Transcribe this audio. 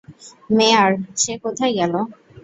মেয়ার, সে কোথায় গেল?